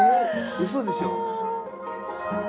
うそでしょう？